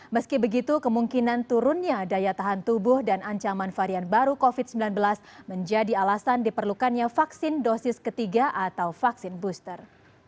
meski begitu kemungkinan turunnya daya tahan tubuh dan ancaman varian baru covid sembilan belas menjadi alasan diperlukannya vaksin dosis ketiga atau vaksin booster